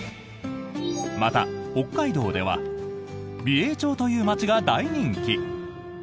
また、北海道では美瑛町という町が大人気！